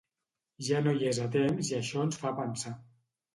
Ja no hi és a temps i això ens fa avançar.